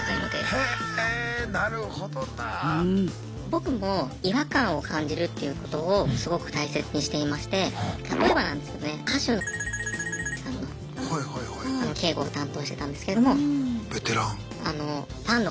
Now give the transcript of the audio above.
僕も違和感を感じるっていうことをすごく大切にしていまして例えばなんですけどね歌手のさんの警護を担当してたんですけども。ベテラン。